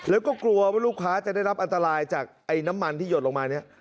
แล้วก็กลัวว่าลูกค้าจะได้รับอันตรายจากไอ้น้ำมันที่หยดลงมาเนี่ย